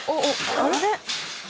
あれ？